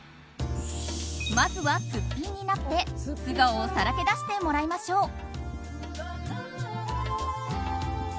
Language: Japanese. まずはすっぴんになって、素顔をさらけ出してもらいましょう。